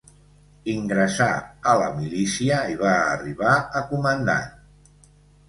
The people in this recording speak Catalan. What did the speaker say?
Ingressà a la milícia i va arribar a comandant.